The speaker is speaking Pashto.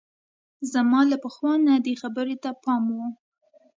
زما له پخوا نه دې خبرې ته پام وو.